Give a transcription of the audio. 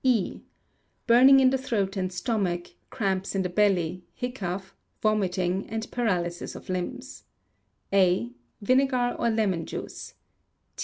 E. Burning in the throat and stomach, cramps in the belly, hiccough, vomiting, and paralysis of limbs. A. Vinegar or lemon juice.